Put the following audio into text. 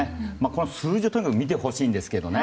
この数字をとにかく見てほしいんですが。